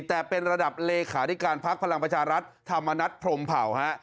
แต่เป็นระดับเลขาธิการพักพลังประชารัฐธรรมนัฐพรมเผ่าฮะ